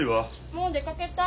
もう出かけた。